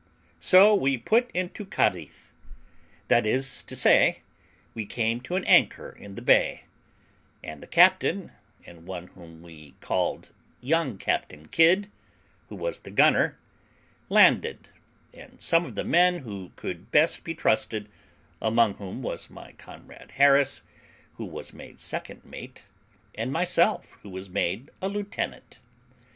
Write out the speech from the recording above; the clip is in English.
So we put into Cadiz, that is to say, we came to an anchor in the bay; and the captain, and one whom we called young Captain Kidd, who was the gunner, [landed,] and some of the men who could best be trusted, among whom was my comrade Harris, who was made second mate, and myself, who was made a lieutenant.